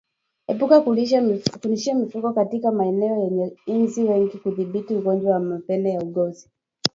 Epuka kulishia mifugo katika maeneo yenye inzi wengi kudhibiti ugonjwa wa mapele ya ngozi